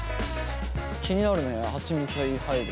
気になるねハチミツが入るって。